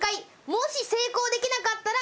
もし成功できなかったら。